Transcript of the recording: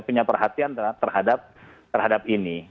punya perhatian terhadap ini